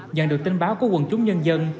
nhận được tin báo của quần chúng nhân dân